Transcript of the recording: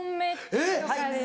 えっ！